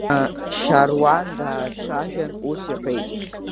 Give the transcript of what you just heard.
Шьаруан даацәажәан ус иҳәеит…